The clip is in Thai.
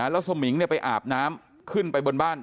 แล้วสมิงไปอาบน้ำขึ้นไปบนบ้าน